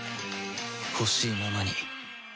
ほしいままに